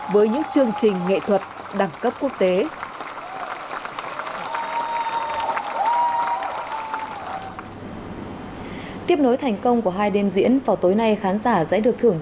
với những chương trình nghệ thuật đẳng cấp quốc tế